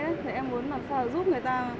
thế em muốn làm sao giúp người ta